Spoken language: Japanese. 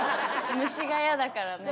虫が嫌だからね。